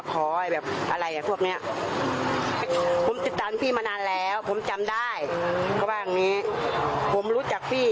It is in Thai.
เขาบอกว่าผมรู้จักพี่